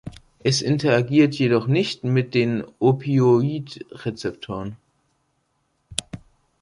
Es interagiert jedoch nicht mit den Opioidrezeptoren.